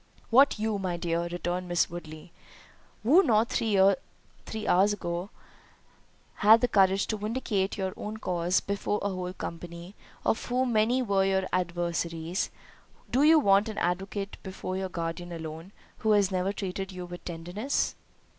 "What you, my dear," returned Miss Woodley, "who not three hours ago had the courage to vindicate your own cause before a whole company, of whom many were your adversaries; do you want an advocate before your guardian alone, who has ever treated you with tenderness?"